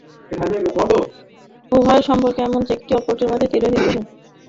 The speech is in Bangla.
উভয়ের সম্পর্ক এমন যে, একটি অপরটির মধ্যে তিরোহিত হয়।